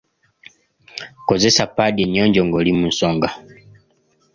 Kozesa paadi ennyonjo ng'oli mi nsonga.